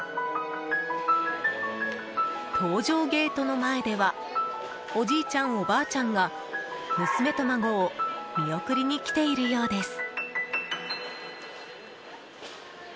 搭乗ゲートの前ではおじいちゃん、おばあちゃんが娘と孫を見送りに来ているようです。